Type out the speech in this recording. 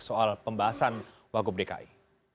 soal pembahasan wakub dki